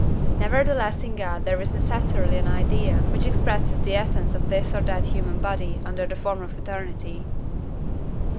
Nevertheless in God there is necessarily an idea, which expresses the essence of this or that human body under the form of eternity.